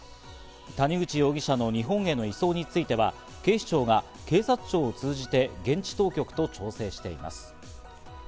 谷口容疑者の日本への移送については警視庁が警察庁を通じて現地当局と調整しています。